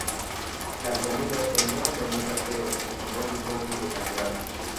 La comida tenía un menú casero, económico y de calidad.